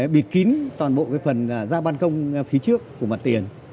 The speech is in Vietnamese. bịt kín toàn bộ phần da ban công phía trước của mặt tiền